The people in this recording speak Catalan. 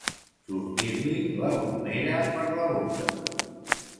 Sortir-li bromera per la boca.